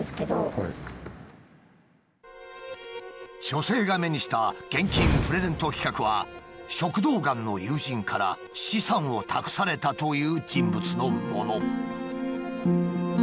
女性が目にした現金プレゼント企画は「食道癌の友人から資産を託された」という人物のもの。